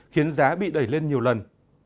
khiến giá bị đẩy lên nhiều lần